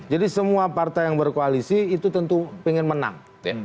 jadi semua partai yang berkoalisi itu tentu ingin menang